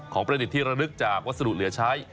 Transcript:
ประดิษฐ์ที่ระลึกจากวัสดุเหลือใช้